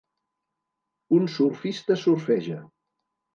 Un surfista surfeja.